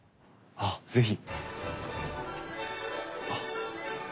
あっ是非。